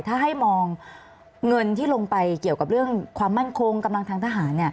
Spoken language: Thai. ถ้าให้มองเงินที่ลงไปเกี่ยวกับเรื่องความมั่นคงกำลังทางทหาร